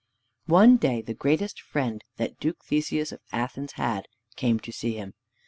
One day the greatest friend that Duke Theseus of Athens had, came to see him.